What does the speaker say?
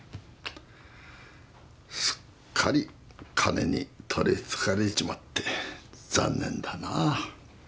すっかり金に取りつかれちまって残念だな。